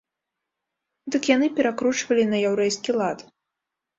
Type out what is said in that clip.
Дык яны перакручвалі на яўрэйскі лад.